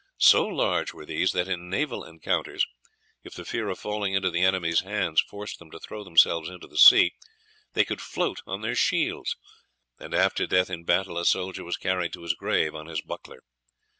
So large were these that in naval encounters, if the fear of falling into the enemy's hands forced them to throw themselves into the sea, they could float on their shields; and after death in battle a soldier was carried to his grave on his buckler.